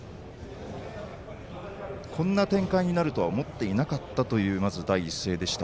こんな展開になるとは思っていなかったというまず第一声でした。